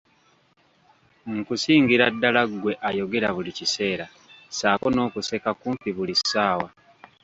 Nkusingira ddala ggwe ayogera buli kiseera, ssaako n'okuseka kumpi buli ssaawa.